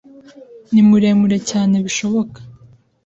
Ni muremure cyane bishoboka